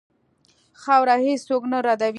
خاوره هېڅ څوک نه ردوي.